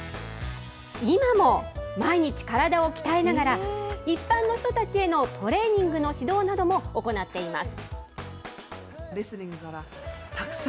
今も毎日体を鍛えながら、一般の人たちへのトレーニングの指導なども行っています。